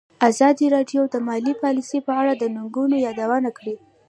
ازادي راډیو د مالي پالیسي په اړه د ننګونو یادونه کړې.